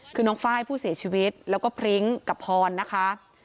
คือน้องไฟล์ผู้เสียชีวิตแล้วก็พริ้งกับพรนะคะ